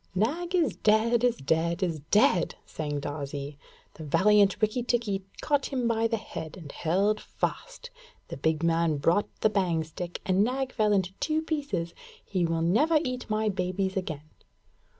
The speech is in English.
'Nag is dead is dead is dead!' sang Darzee. 'The valiant Rikki tikki caught him by the head and held fast. The big man brought the bang stick, and Nag fell in two pieces! He will never eat my babies again.'